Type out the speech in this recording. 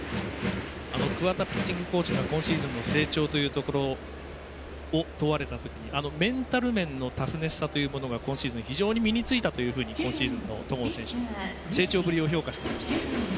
桑田ピッチングコーチも今シーズンの成長というところを問われた時にメンタル面のタフネスさが今シーズン、非常に身についたというふうに今シーズン戸郷選手の成長ぶりを評価していました。